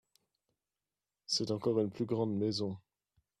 C’est encore une plus grande maison !